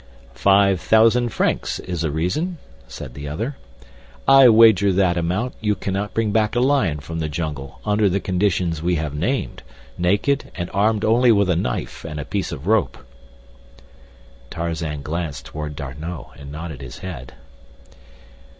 "Five thousand francs is a reason," said the other. "I wager you that amount you cannot bring back a lion from the jungle under the conditions we have named—naked and armed only with a knife and a piece of rope." Tarzan glanced toward D'Arnot and nodded his head.